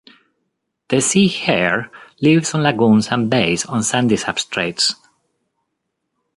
This sea hare lives in lagoons and bays on sandy substrates.